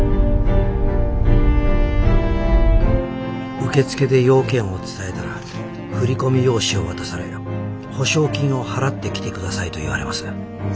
受付で用件を伝えたら振込用紙を渡され「保証金を払ってきてください」と言われます。